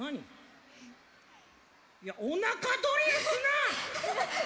いやおなかドリルすな！